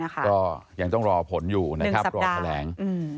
ก็ยังต้องรอผลอยู่นะครับรอแถลง